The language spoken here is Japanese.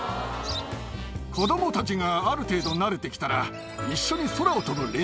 子供たちがある程度慣れて来たら一緒に。